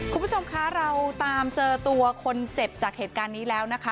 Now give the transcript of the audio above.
คุณผู้ชมคะเราตามเจอตัวคนเจ็บจากเหตุการณ์นี้แล้วนะคะ